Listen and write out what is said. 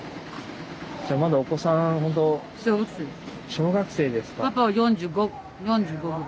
小学生ですか。